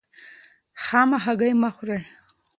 خامه هګۍ مه خورئ.